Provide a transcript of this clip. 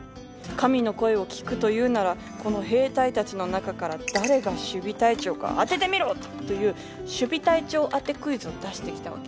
神の声を聞くというならこの兵隊たちの中からという守備隊長当てクイズを出してきたわけ。